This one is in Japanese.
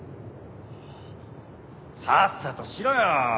さっさとしろよ！